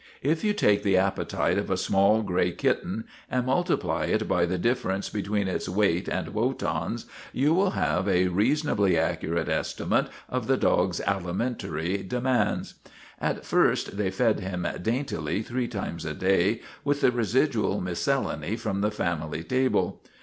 If you take the appetite of a small gray kitten, and multiply it by the differ ence between its weight and Wotan's, you will have a reasonably accurate estimate of the dog's alimen tary demands. At first they fed him daintily three times a day with the residual miscellany from the family table.